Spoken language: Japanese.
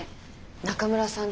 中村さん